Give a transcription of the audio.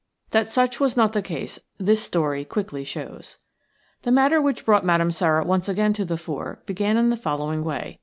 That such was not the case this story quickly shows. The matter which brought Madame Sara once again to the fore began in the following way.